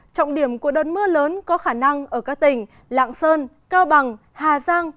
trọng điểm của đợt mưa lớn có khả năng ở các tỉnh lạng sơn cao bằng hà giang